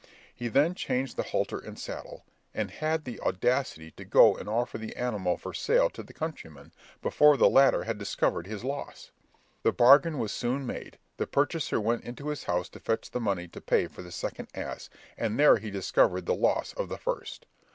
He then changed the halter and saddle, and had the audacity to go and offer the animal for sale to the countryman, before the latter had discovered his loss. The bargain was soon made; the purchaser went into his house to fetch the money to pay for the second ass, and there he discovered the loss of the first.